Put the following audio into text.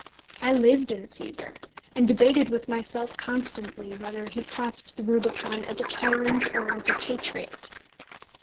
I lived in Cæsar, and debated with myself constantly whether he crossed the Rubicon as a tyrant or as a patriot.